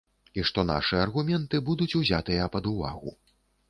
І што нашы аргументы будуць узятыя пад увагу.